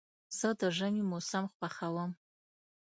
زه د ژمي موسم خوښوم.